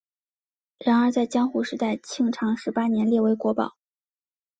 然而在江户时代庆长十八年列为国宝。